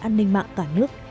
an ninh mạng cả nước